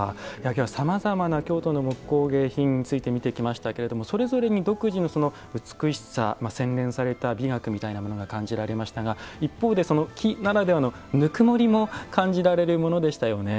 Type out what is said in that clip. きょうはさまざまな京都の木工芸品について見てきましたがそれぞれに独自の美しさ洗練された美学みたいなものが感じられましたが一方で、木ならではのぬくもりも感じられるものでしたよね。